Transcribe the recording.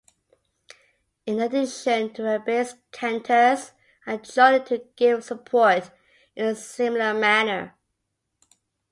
In addition to rabbis, cantors are joining to give support in a similar manner.